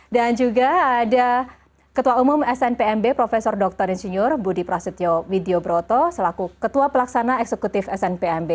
dan juga ada ketua umum snpmb prof dr insinyur budi prasetyo widyobroto selaku ketua pelaksana eksekutif snpmb